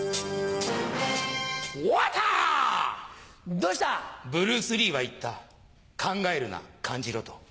どうした⁉ブルース・リーは言った「考えるな感じろ」と。